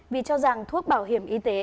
vì cho rằng thuốc bảo hiểm y tế